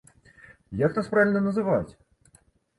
Як нас правільна называць?